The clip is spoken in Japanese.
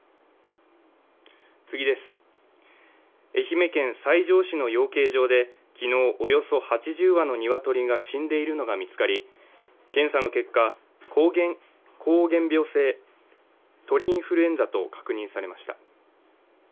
愛媛県西条市の養鶏場で昨日、およそ８０羽の鶏が死んでいるのが見つかり、検査の結果、高病原性鳥インフルエンザと確認されました。